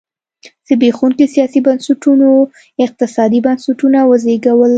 زبېښونکي سیاسي بنسټونو اقتصادي بنسټونه وزېږول.